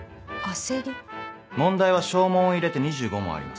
問題は小問を入れて２５問あります。